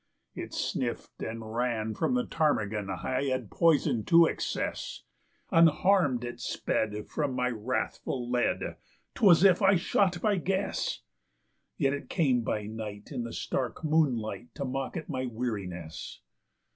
"It sniffed and ran from the ptarmigan I had poisoned to excess; Unharmed it sped from my wrathful lead ('twas as if I shot by guess); Yet it came by night in the stark moonlight to mock at my weariness.